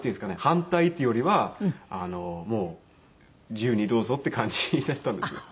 反対というよりはもう自由にどうぞっていう感じだったんですね。